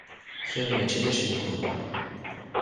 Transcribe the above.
Kemm mačči d acengu-nneɣ.